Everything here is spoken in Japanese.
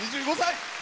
２５歳。